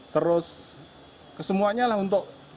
terus kesemuanya lah untuk